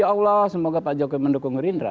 ya allah semoga pak jokowi mendukung gerindra